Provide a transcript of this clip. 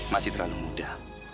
masih terlalu muda